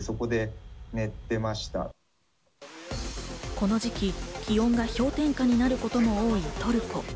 この時期、気温が氷点下になることも多いトルコ。